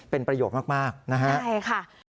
เป็นประโยชน์มากนะครับใช่ค่ะได้ค่ะ